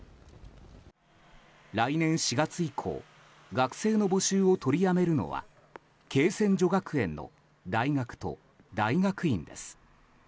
来年４月以降学生の募集を取りやめるのは恵泉女学園の大学と大学院です。